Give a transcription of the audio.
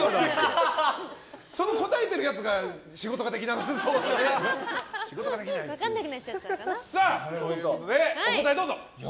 その答えてるやつが仕事ができなさそうだよね。ということで、お答えどうぞ。